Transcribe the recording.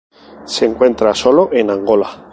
Se encuentra sólo en Angola.